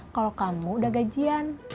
kalau kamu udah gajian